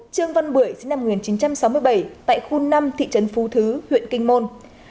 trương văn bưởi sinh năm một nghìn chín trăm sáu mươi bảy tại khu năm thị trấn phú thứ huyện kinh môn